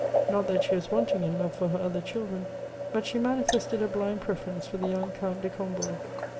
Not that she was wanting in love for her other children ; but she manifested a blind preference for the young Count de Combourg.